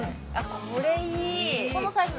これいい！